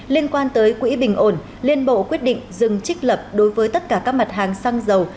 liên quan tới quỹ bình ổn liên bộ quyết định dừng trích lập đối với tất cả các mặt hàng xăng dầu